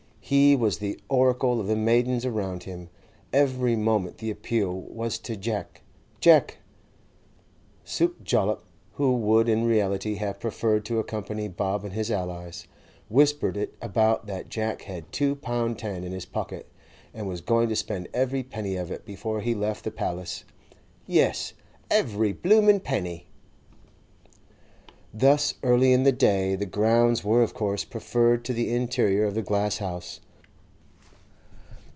He was the oracle of the maidens around him; every moment the appeal was to 'Jeck! Jeck!' Suke Jollop, who would in reality have preferred to accompany Bob and his allies, whispered it about that Jack had two pound ten in his pocket, and was going to spend every penny of it before he left the 'Paliss'—yes, 'every bloomin' penny!' Thus early in the day, the grounds were of course preferred to the interior of the glass house.